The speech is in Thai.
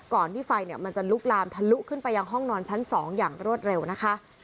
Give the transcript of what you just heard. ที่ไฟมันจะลุกลามทะลุขึ้นไปยังห้องนอนชั้น๒อย่างรวดเร็วนะคะ